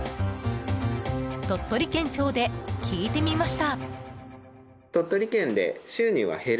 鳥取県庁で聞いてみました。